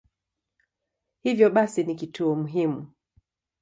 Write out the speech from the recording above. Hivyo basi ni kituo muhimu.